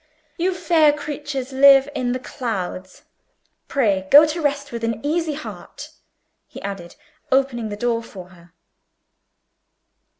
"You fair creatures live in the clouds. Pray go to rest with an easy heart," he added, opening the door for her.